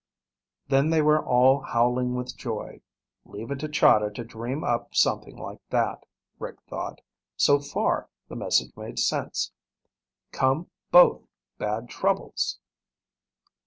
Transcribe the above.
Then they were all howling with joy. Leave it to Chahda to dream up something like that, Rick thought. So far, the message made sense. _Come both, bad troubles.